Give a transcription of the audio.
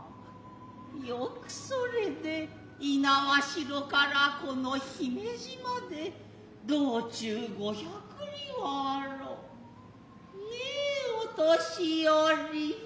よくそれで猪苗代から此の姫路まで道中五百里はあらうねえお年寄。